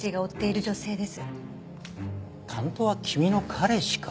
担当は君の彼氏か？